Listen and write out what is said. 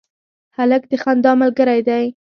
هلک د خندا ملګری دی.